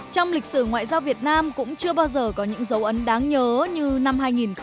trong lịch sử ngoại giao việt nam cũng chưa bao giờ có những dấu ấn đáng nhớ như năm hai nghìn một mươi